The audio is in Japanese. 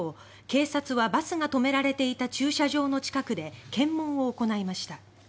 警察は、バスが止められていた駐車場の近くで検問を行いました。